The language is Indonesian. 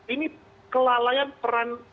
ini kelalaian peran